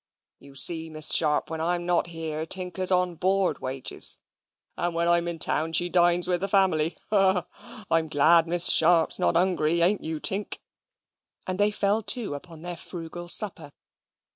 "You see, Miss Sharp, when I'm not here Tinker's on board wages: when I'm in town she dines with the family. Haw! haw! I'm glad Miss Sharp's not hungry, ain't you, Tink?" And they fell to upon their frugal supper.